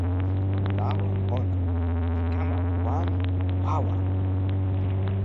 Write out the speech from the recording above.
lawa ona li kama wan wawa.